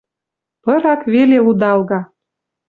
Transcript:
Пырак вел лудалга.